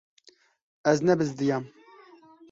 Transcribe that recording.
Ez nebizdiyam.